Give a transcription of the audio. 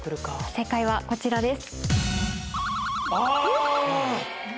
正解はこちらです。